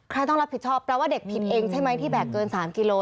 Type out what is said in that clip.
ต้องรับผิดชอบแปลว่าเด็กผิดเองใช่ไหมที่แบกเกิน๓กิโล